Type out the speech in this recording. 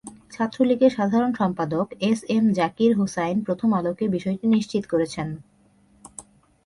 ছাত্রলীগের সাধারণ সম্পাদক এস এম জাকির হোসাইন প্রথম আলোকে বিষয়টি নিশ্চিত করেছেন।